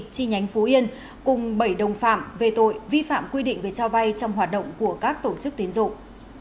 chi nhánh phú yên cùng bảy đồng phạm về tội vi phạm quy định về cho vay trong hoạt động của các tổ chức tiến dụng